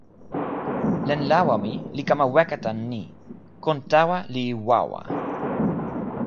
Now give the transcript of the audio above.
len lawa mi li kama weka tan ni: kon tawa li wawa.